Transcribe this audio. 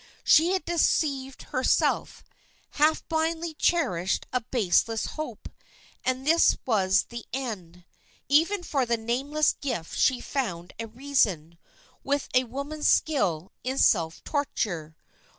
She had deceived herself, had blindly cherished a baseless hope, and this was the end. Even for the nameless gift she found a reason, with a woman's skill, in self torture.